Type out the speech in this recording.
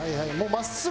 真っすぐ。